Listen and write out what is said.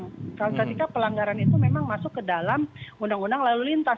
ketika pelanggaran itu memang masuk ke dalam undang undang lalu lintas